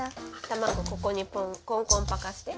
卵ここにコンコンパカして。